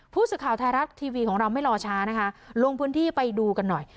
ผู้สื่อข่าวไทยรัฐทีวีของเราไม่รอช้านะคะลงพื้นที่ไปดูกันหน่อย